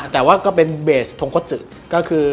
แต่ว่าก็เป็นเบสทงคตซึ